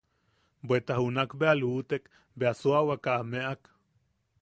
Bweta junak bea luʼutek, bea Suawaka a meʼak.